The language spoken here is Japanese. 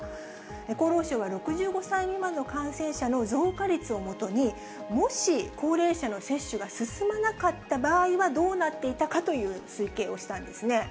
厚労省は６５歳未満の感染者の増加率を基に、もし高齢者の接種が進まなかった場合はどうなっていたかという推計をしたんですね。